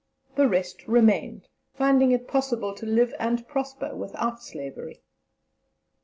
The rest remained, finding it possible to live and prosper without slavery.